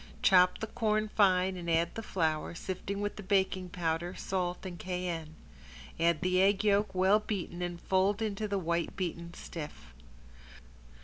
Chop the corn fine and add the flour, sifted with the baking powder, salt and cayenne. Add the egg yolk, well beaten and fold in the white beaten stiff.